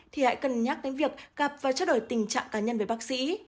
thì hãy cân nhắc đến việc gặp và trao đổi tình trạng cá nhân với bác sĩ